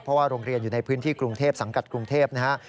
เพราะว่าโรงเรียนอยู่ในพื้นที่กรุงเทพสังกัดกรุงเทพนะฮะ